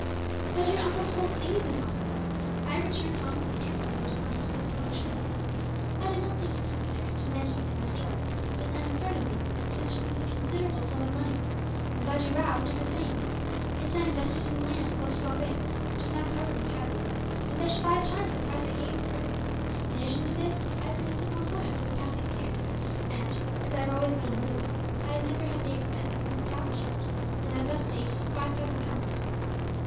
"My dear uncle, the whole thing is impossible. I have returned home with an ample amount of money to live in luxury. I did not think it necessary to mention, in my story, that Nana Furnuwees presented me with a considerable sum of money; and Bajee Rao did the same. This I invested in land close to Bombay, which is now covered with houses, and fetched five times the price I gave for it. In addition to this, I have been in civil employment for the past six years and, as I have always been on the move, I have never had the expense of an establishment, and have thus saved some five thousand pounds.